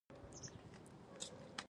ګواتیلا ډېرې ارتې او پراخې ځمکې درلودلې.